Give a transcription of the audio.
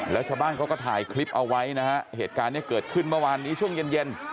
แล้วชาวบ้านเขาก็ถ่ายคลิปเอาไว้นะฮะเหตุการณ์นี้เกิดขึ้นเมื่อวานนี้ช่วงเย็นเย็น